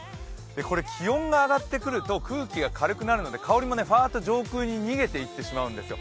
これ、気温が上がってくると空気が軽くなるので香りもふわっと上空に逃げていってしまうんですよ。